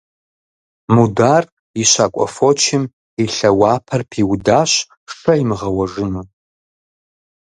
Мударым и щакӀуэ фочым и лъэуапэр пиудащ шэ имыгъэуэжыну.